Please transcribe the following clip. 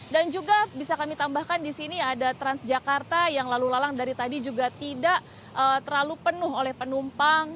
dan juga bisa kami tambahkan di sini ada transjakarta yang lalu lalang dari tadi juga tidak terlalu penuh oleh penumpang